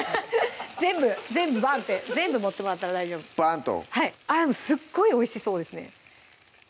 全部バーンって全部盛ってもらったら大丈夫バーンとあっすっごいおいしそうですね